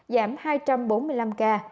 giảm hai trăm bốn mươi năm ca